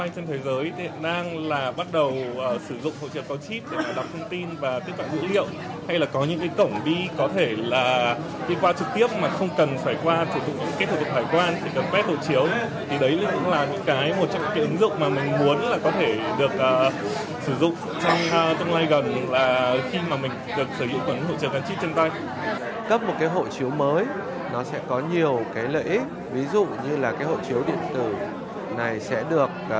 cấp một cái hộ chiếu mới nó sẽ có nhiều cái lợi ích ví dụ như là cái hộ chiếu điện tử này sẽ được